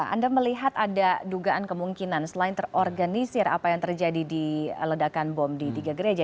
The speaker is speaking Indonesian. anda melihat ada dugaan kemungkinan selain terorganisir apa yang terjadi di ledakan bom di tiga gereja